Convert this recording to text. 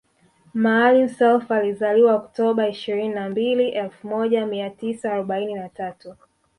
Maalim Self alizaliwa oktoba ishirini na mbili elfu moja mia tisa arobaini na tatu